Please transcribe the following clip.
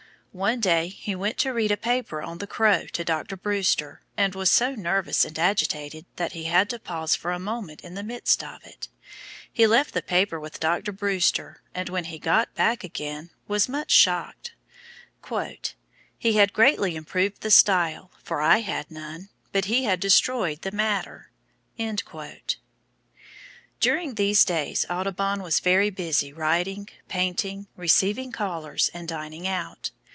One day he went to read a paper on the Crow to Dr. Brewster, and was so nervous and agitated that he had to pause for a moment in the midst of it. He left the paper with Dr. Brewster and when he got it back again was much shocked: "He had greatly improved the style (for I had none), but he had destroyed the matter." During these days Audubon was very busy writing, painting, receiving callers, and dining out.